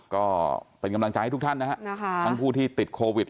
ก็เป็นกำลังใจให้ทุกท่านนะฮะทั้งผู้ที่ติดโควิด